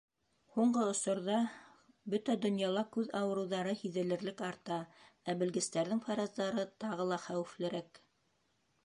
Һуңғы осорҙа бөтә донъяла күҙ ауырыуҙары һиҙелерлек арта, ә белгестәрҙең фараздары тағы ла хәүефлерәк.